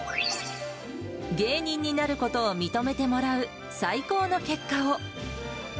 芸人になることを認めてもらう最高の結果を。